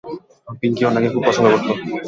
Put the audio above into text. পিঙ্কি উনাকে খুব পছন্দ করতো।